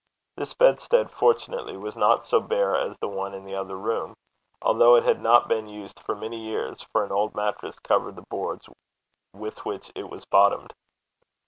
This bedstead fortunately was not so bare as the one in the other room, although it had not been used for many years, for an old mattress covered the boards with which it was bottomed.